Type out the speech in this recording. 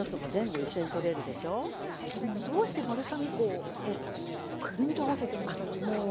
これでもどうしてバルサミコくるみで合わせてみようというのは。